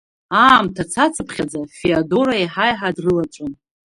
Аамҭа цацыԥхьаӡа Феодора еиҳа-еиҳа дрылаҵәон.